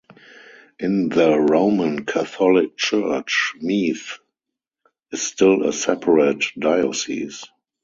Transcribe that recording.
In the Roman Catholic Church, Meath is still a separate diocese.